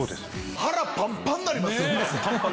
腹パンパンになりますよ。